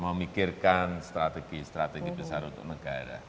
memikirkan strategi strategi besar untuk negara